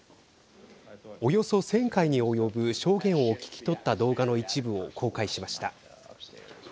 およそ１０００回に及ぶ証言を聞き取った動画の一部を公開しました。